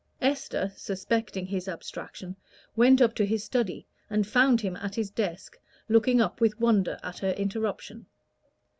Esther, suspecting his abstraction, went up to his study, and found him at his desk looking up with wonder at her interruption.